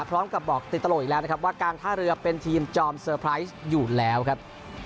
พร้อมกับบอกติดตลกอีกแล้วนะครับว่าการท่าเรือเป็นทีมจอมเซอร์ไพรส์อยู่แล้วครับ